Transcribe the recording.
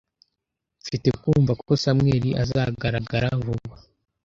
Mfite kumva ko Samuel azagaragara vuba.